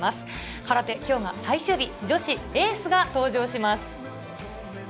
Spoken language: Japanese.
空手、今日が最終日、女子エースが登場します。